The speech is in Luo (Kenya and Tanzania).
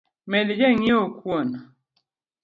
Med jang’iewo kuon